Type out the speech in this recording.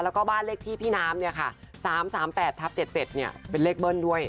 แล้วก็บ้านเลขที่พี่น้ำเนี่ยค่ะ๓๓๘๗๗เป็นเลขเบิ้ลด้วย